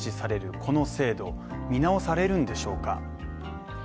この制度見直されるんでしょうか？